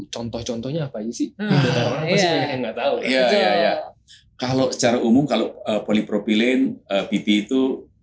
contoh contohnya apa aja sih nah nggak tau iya iya iya kalau secara umum kalau polipropilin pp itu